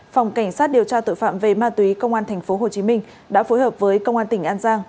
phòng cảnh sát điều tra tội phạm về ma túy công an tp hcm đã phối hợp với công an tỉnh an giang